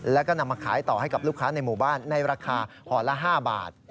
แล้วก็นำมาขายต่อให้กับลูกค้าในหมู่บ้านในราคาห่อละ๕บาท